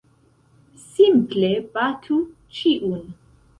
Simple batu ĉiun!